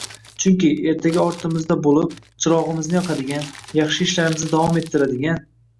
Chunki, ertaga ortimizda qolib, chirog‘imizni yoqadigan, yaxshi ishlarimizni davom ettiradigan